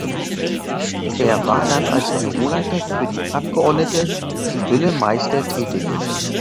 Er war dann als Büroleiter für die Abgeordnete Sibylle Meister tätig.